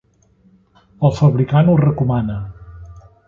El fabricant ho recomana.